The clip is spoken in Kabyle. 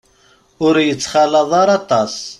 Ur yettxalaḍ ara aṭas.